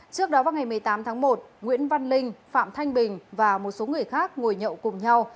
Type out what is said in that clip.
trước đó vào ngày một mươi tám tháng một nguyễn văn linh phạm thanh bình và một số người khác ngồi nhậu cùng nhau